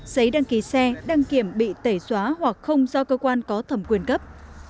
giấy đăng ký xe đăng kiểm bị tẩy xóa hoặc không do cơ quan có thẩm quyền cấp